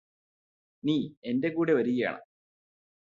നീയെന്റെ കൂടെ വരികയാണ്